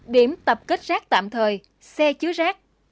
điểm tập kết rác tạm thời xe chứa rác